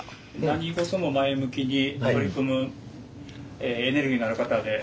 何事も前向きに取り組むエネルギーのある方で。